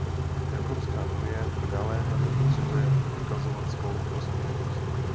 Evropská unie naléhavě potřebuje prokazovat svou prospěšnost.